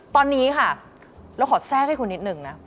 ตอนนี้ค่ะเราขอแทรกให้คุณนิดนึงนะ